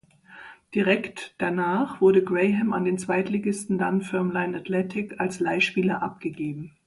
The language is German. Direkt danach wurde Graham an den Zweitligisten Dunfermline Athletic als Leihspieler abgegeben.